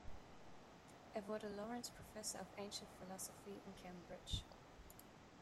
Er wurde "Laurence Professor of Ancient Philosophy" in Cambridge.